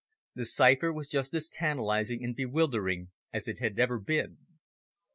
The cipher was just as tantalising and bewildering as it had ever been.